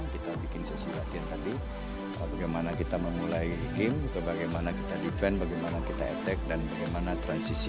kita bikin sesi latihan tadi bagaimana kita memulai game bagaimana kita defense bagaimana kita attack dan bagaimana transisi